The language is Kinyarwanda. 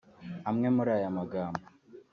Amwe muri aya magambo